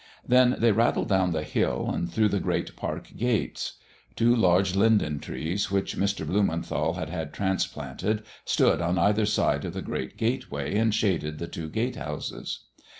Then they rattled down the hill and through the great park gates. Two large linden trees, which Mr. Blumenthal had had transplanted, stood on either side of the great gateway and shaded the two gate houses.